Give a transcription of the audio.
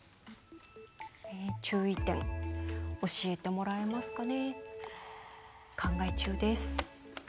注意点教えてもらえますかね考え中です。